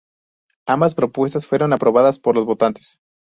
Ambas propuestas fueron aprobadas por los votantes.